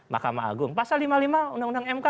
mahkamah agung pasal lima puluh lima undang undang mk